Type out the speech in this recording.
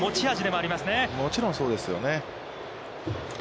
もちろんそうですよね。